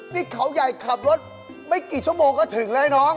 นี่เขาใหญ่ขับรถไม่กี่ชั่วโมงก็ถึงแล้วไอ้น้อง